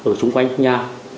ở xung quanh nhà